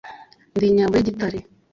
ndi inyambo y' igitare